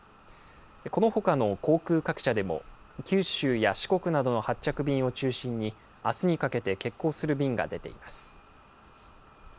このほかの航空各社でも、九州や四国などの発着便を中心に、あすにかけて欠航する便が出ています。